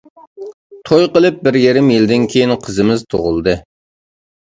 توي قىلىپ بىر يېرىم يىلدىن كېيىن قىزىمىز تۇغۇلدى.